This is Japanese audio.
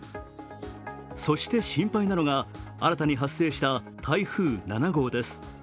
そして心配なのが新たに発生した台風７号です。